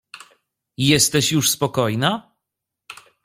"Jesteś już spokojna?"